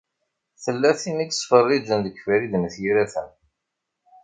Tella tin i yettfeṛṛiǧen deg Farid n At Yiraten.